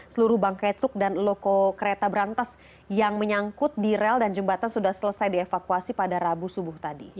seluruh bangkai truk dan loko kereta berantas yang menyangkut di rel dan jembatan sudah selesai dievakuasi pada rabu subuh tadi